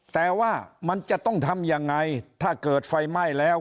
แต่ว่ามันจะต้องทำยังไงถ้าเกิดไฟไหม้แล้ว